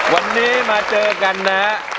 วันนี้มาเจอกันนะฮะ